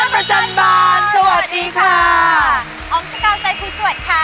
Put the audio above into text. อ๋อมชะกาวใจพูดสวยค่ะ